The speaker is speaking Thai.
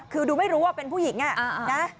คือดูไม่รู้ว่าเป็นผู้หญิงนะ